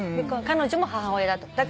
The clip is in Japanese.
彼女も母親だと。